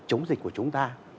chống dịch của chúng ta